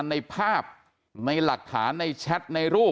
ในภาพในหลักฐานในแชทในรูป